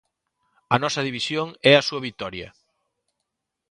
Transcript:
A nosa división é a súa vitoria.